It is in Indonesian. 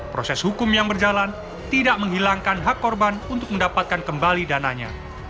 proses hukum yang berjalan tidak menghilangkan hak korban untuk mendapatkan kembali dananya